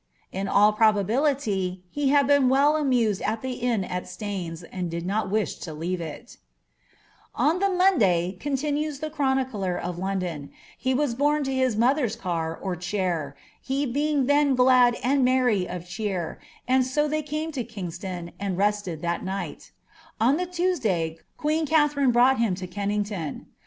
In all proba bility he hul been well amused at the inn at Staines, and diJ not wiih to leave it ''On the Monday," continues the chronicler of London, "he Vf borne to bis mother's cor or cliair, he being then gUd ami roerrv o( cheer, and so they came to Kingston, and ccsKii that niijhL On the TuRsday queen Katherine broiigUi hira to Keuiilt^ton.